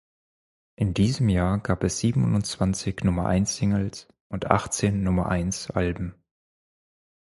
In diesem Jahr gab es siebenundzwanzig Nummer-eins-Singles und achtzehn Nummer-eins-Alben.